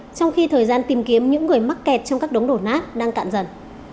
trong khi thời gian tìm kiếm những người mắc kẹt trong các đống đổ nát đang cạn dần